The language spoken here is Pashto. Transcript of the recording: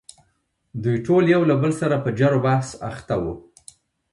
دوی ټول یو له بل سره په جر و بحث اخته وو.